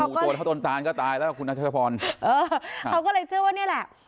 ตัวเท่าต้นตานก็ตายแล้วคุณนัชพรเออเขาก็เลยเชื่อว่านี่แหละ